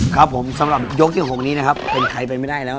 ครับผมสำหรับยกที่๖นี้นะครับเป็นใครไปไม่ได้แล้ว